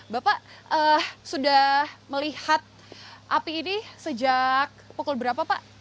bapak sudah melihat api ini sejak pukul berapa pak